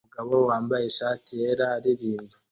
Umugabo wambaye ishati yera aririmba